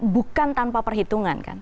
bukan tanpa perhitungan kan